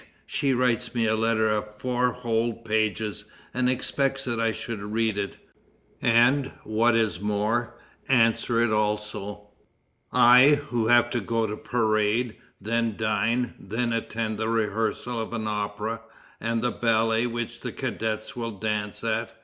she writes me a letter of four whole pages, and expects that I should read it, and, what is more, answer it also; I, who have to go to parade, then dine, then attend the rehearsal of an opera, and the ballet which the cadets will dance at.